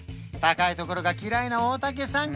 高いところが嫌いな大竹さん